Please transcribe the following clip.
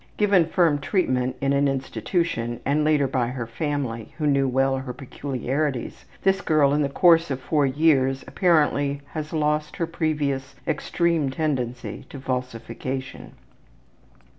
Given firm treatment in an institution and later by her family, who knew well her peculiarities, this girl in the course of four years apparently has lost her previous extreme tendency to falsification.